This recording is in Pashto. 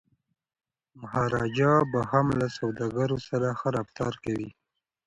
مهاراجا به هم له سوداګرو سره ښه رفتار کوي.